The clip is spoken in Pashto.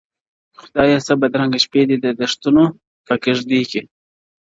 خدایه څه بدرنګه شپې دي د دښتونو په کیږدۍ کي-